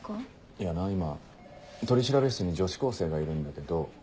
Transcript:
いやな今取調室に女子高生がいるんだけど。